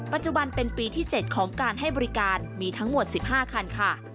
ปัจจุบันเป็นปีที่๗ของการให้บริการมีทั้งหมด๑๕คันค่ะ